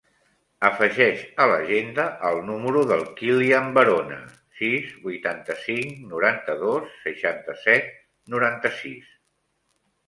Afegeix a l'agenda el número del Kilian Barona: sis, vuitanta-cinc, noranta-dos, seixanta-set, noranta-sis.